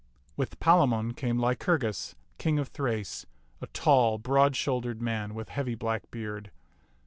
With Palamon came Lycur gus. King of Thrace, a tall, broad shouldered man with heavy black beard.